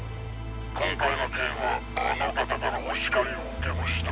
今回の件はあの方からお叱りを受けました。